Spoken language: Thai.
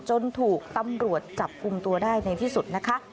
จนถูกตำรวจจับกลุ่มตัวได้ในที่สุดนะคะ